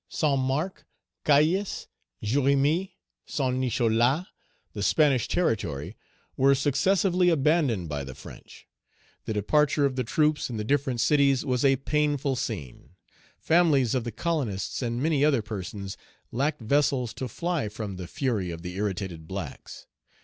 Saint Marc, Cayes, Jérémie, Saint Nicholas, the Spanish territory, were successively abandoned by the French. The departure of the troops in the different cities was a painful scene. Families of the colonists and many other persons lacked vessels to fly from the fury of the irritated blacks.